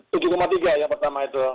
tujuh tiga yang pertama itu